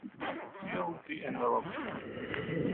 Seal the envelope.